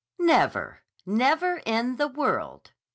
"Never. Never in the world!"